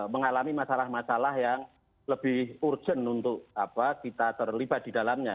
mengalami masalah masalah yang lebih urgent untuk kita terlibat di dalamnya